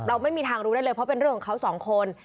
ไม่มีทางรู้ได้เลยเพราะเป็นเรื่องของเขาสองคน